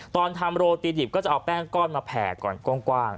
ตอนทำโรตีดิบก็จะเอาแป้งก้อนมาแผ่ก่อนกว้าง